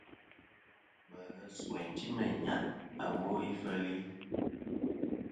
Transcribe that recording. Ba ghes ba wêyn ti meyn nyàʼ awo ifeli.